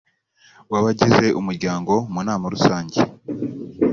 w abagize umuryango mu nama rusange